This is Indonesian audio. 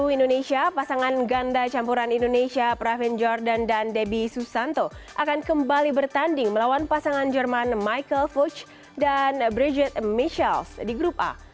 di indonesia pasangan ganda campuran indonesia pravin jordan dan debbie susanto akan kembali bertanding melawan pasangan jerman michael fuch dan bridget michels di grup a